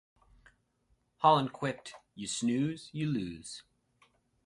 Holland quipped, You snooze, you lose.